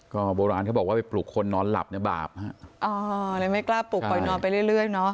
ก็โบราณเขาบอกว่าไปปลุกคนนอนหลับในบาปฮะอ๋อเลยไม่กล้าปลุกปล่อยนอนไปเรื่อยเรื่อยเนอะ